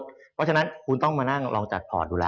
เพราะฉะนั้นคุณต้องมานั่งลองจัดพอร์ตดูแล